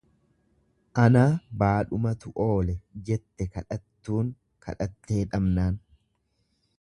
Anaa baadhumatu oole, jette kadhattuun kadhattee dhabnaan.